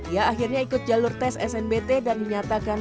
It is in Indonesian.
ia akhirnya ikut jalur tes snbt dan dinyatakan